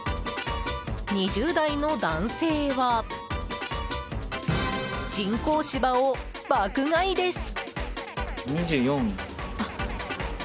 ２０代の男性は人工芝を爆買いです。